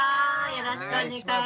よろしくお願いします。